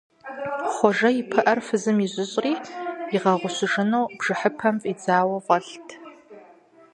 Хъуэжэ и пыӀэр фызым ижьыщӀри, игъэгъущыжыну бжыхьыпэм фӀидзауэ фӀэлът.